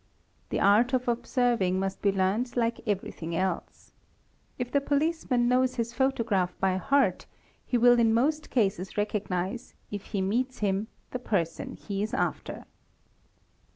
The art of observing must be learnt like every thing else. If the policeman knows his photograph by heart he will in most cases recognize, if he meets him, the person he is after.